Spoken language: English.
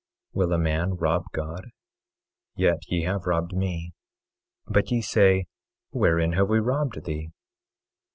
24:8 Will a man rob God? Yet ye have robbed me. But ye say: Wherein have we robbed thee?